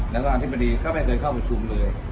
แล้วก็อธิบดีก็ไม่เคยเข้าประชุมเลย